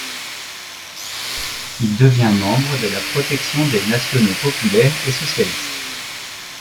Il devient membre de la protection des nationaux populaire et socialiste.